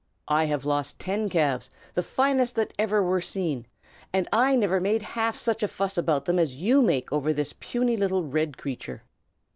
I have lost ten calves, the finest that ever were seen, and I never made half such a fuss about them as you make over this puny little red creature."